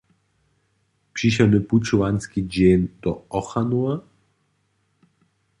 Přichodny pućowanski dźeń do Ochranowa?